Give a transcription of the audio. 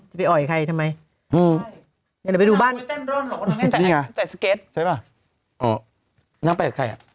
จะไปอ่อยใครทำไม